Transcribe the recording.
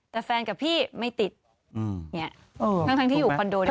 แต่แฟนกับพี่ไม่ติดเนี่ยตั้งที่อยู่คอนโดเนี่ย